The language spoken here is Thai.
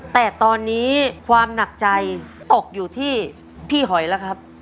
แต่ตอนนี้ความหนักใจตกอยู่ที่พี่หอยแล้วครับ